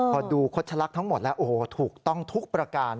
พอดูคดชะลักษณ์ทั้งหมดแล้วโอ้โหถูกต้องทุกประการ